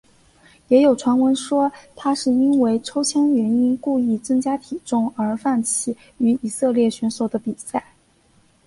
也有传闻说他是因为抽签原因故意增加体重而放弃与以色列选手的比赛。